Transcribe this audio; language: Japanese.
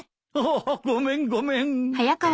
ああごめんごめん。